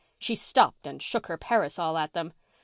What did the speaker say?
She stopped and shook her parasol at them.